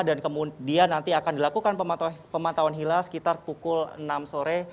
dan kemudian nanti akan dilakukan pemantauan hilal sekitar pukul enam sore